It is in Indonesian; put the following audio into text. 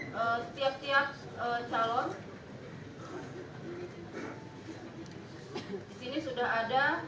setiap setiap calon di sini sudah ada